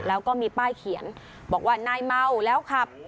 แล้วก็มีป้ายเขียนบอกว่านายเมาแล้วขับ